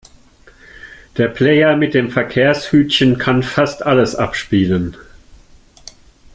Der Player mit dem Verkehrshütchen kann fast alles abspielen.